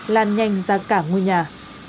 lan nhanh ra cả ngôi nhà